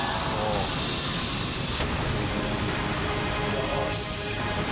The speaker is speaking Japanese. よし！